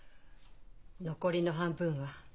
残りの半分は？